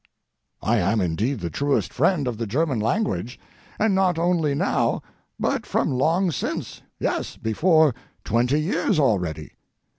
I am indeed the truest friend of the German language—and not only now, but from long since—yes, before twenty years already.